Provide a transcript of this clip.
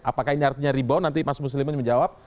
apakah ini artinya rebound nanti mas muslimin menjawab